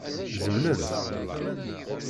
Zemlent?